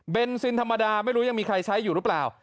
เป็นซินธรรมดาไม่รู้ยังมีใครใช้อยู่หรือเปล่า